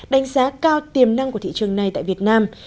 đánh giá cao tiềm năng của thị trường này tại việt nam